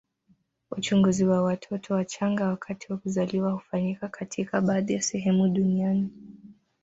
Uchunguzi wa watoto wachanga wakati wa kuzaliwa hufanyika katika baadhi ya sehemu duniani.